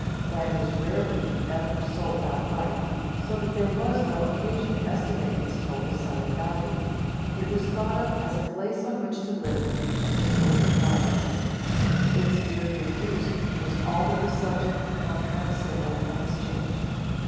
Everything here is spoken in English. Land was rarely, if ever, sold outright, so that there was no occasion to estimate its total selling value. It was thought of as a place on which to live and as a source of livelihood. Its yearly use was all that was subject to contract, sale, and exchange.